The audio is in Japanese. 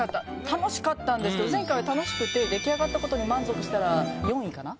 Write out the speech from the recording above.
楽しかったんですけど前回は楽しくて出来上がったことに満足したら４位かな？